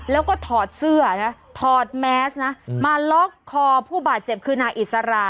แล้วก็ถอดเสื้อนะถอดแมสนะมาล็อกคอผู้บาดเจ็บคือนายอิสรา